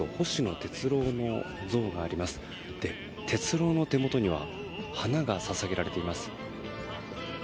鉄郎の手元には花が捧げられています。